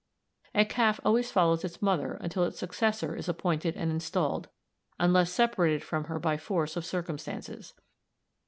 A calf always follows its mother until its successor is appointed and installed, unless separated from her by force of circumstances.